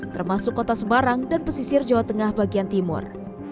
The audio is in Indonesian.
termasuk kota semarang dan pesisir jawa tengah bagian timur